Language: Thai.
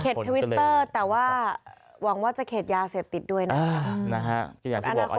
ทวิตเตอร์แต่ว่าหวังว่าจะเขตยาเสพติดด้วยนะคะ